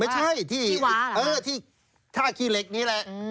ไม่ใช่ที่ท่าขี้เหล็กนี่แหละ